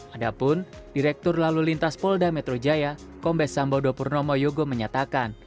adapun direktur lalu lintas polda metro jaya kombes sambodo purnomo yogo menyatakan